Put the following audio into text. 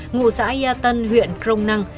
ngụ xã yà tân huyện crong năng